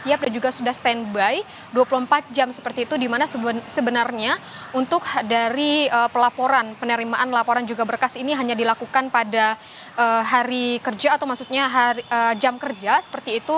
siap dan juga sudah standby dua puluh empat jam seperti itu di mana sebenarnya untuk dari pelaporan penerimaan laporan juga berkas ini hanya dilakukan pada hari kerja atau maksudnya jam kerja seperti itu